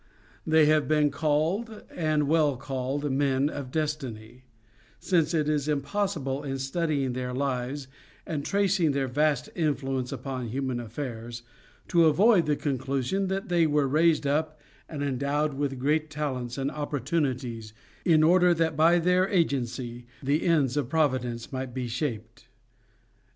They have been called, and well called, Men of Destiny, since it is impossible in studying their lives and tracing their vast influence upon human affairs, to avoid the conclusion that they were raised up and endowed with great talents and opportunities in order that by their agency the ends of Providence might be shaped.